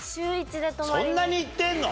そんなに行ってんの？